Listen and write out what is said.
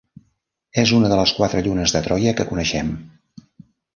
És una de les quatre llunes de Troia que coneixem.